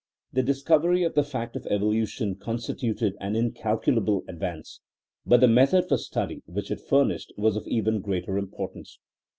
The discovery of the fact of evolution constituted an incalculable ad vance, but the method for study which it fur nished was of even greater importance.